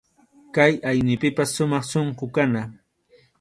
Kay aynipipas sumaq sunqu kana.